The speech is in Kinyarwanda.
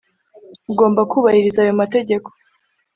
ugomba kubahiriza ayo mategeko